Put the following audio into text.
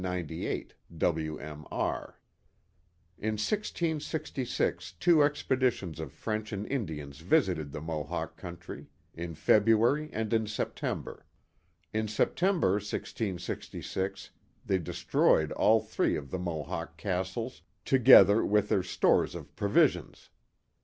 R. 3 34 The Mohawk Valley In 1666 two expeditions of French and Indians visited the Mohawk country, in February and in September. In Sep tember, 1666, they destroyed all three of the Mohawk castles, together with their stores of provisions.